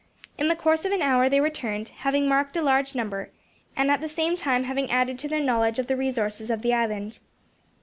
In the course of an hour they returned, having marked a large number, and at the same time having added to their knowledge of the resources of the island.